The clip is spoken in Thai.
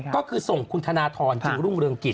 ก็คือส่งคุณธนทรจึงรุ่งเรืองกิจ